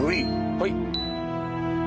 はい。